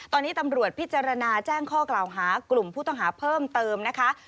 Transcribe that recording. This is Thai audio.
ตอนนี้ตำรวจพิจารณาแจ้งข้อกล่าวหากลุ่มผู้ต้องหาเพิ่มเติมนะคะ